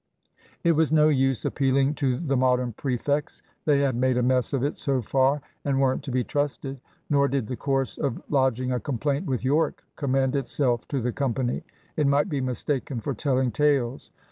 It was no use appealing to the Modern prefects. They had made a mess of it so far, and weren't to be trusted. Nor did the course of lodging a complaint with Yorke commend itself to the company. It might be mistaken for telling tales.